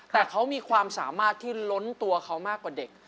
แต่เขามีความสามารถที่ล้นตัวเขามากกว่าเด็ก